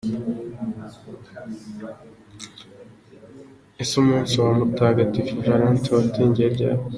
Ese umunsi wa Mutagatifu Valentin watangiye ute?.